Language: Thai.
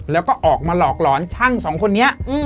แล้วก็ออกมาหลอกหลอนช่างสองคนนี้